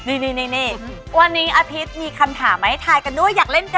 นี่วันนี้อาพิษมีคำถามมาให้ทายกันด้วยอยากเล่นกัน